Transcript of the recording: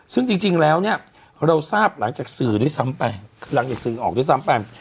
ซึ่งจริงแล้วเนี่ยเราทราบหลังจากสื่อด้วยซ้ำไปหลังจากสื่อออกด้วยซ้ำไป